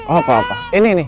oh papa ini ini